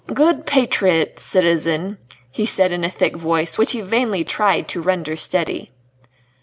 "Good patriots, citizen," he said in a thick voice which he vainly tried to render steady.